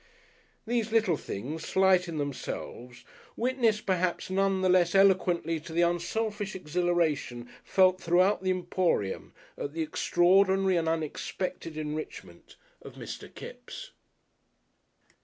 These little things, slight in themselves, witness perhaps none the less eloquently to the unselfish exhilaration felt throughout the Emporium at the extraordinary and unexpected enrichment of Mr. Kipps.